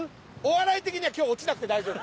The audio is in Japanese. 笑い的には今日落ちなくて大丈夫。